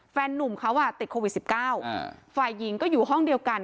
นุ่มเขาอ่ะติดโควิด๑๙ฝ่ายหญิงก็อยู่ห้องเดียวกัน